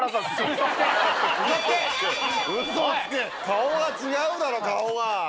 顔が違うだろ顔が。